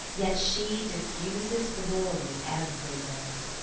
Yet she diff'uses Glory everywhere.